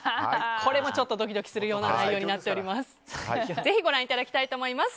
これもドキドキするような内容になっています。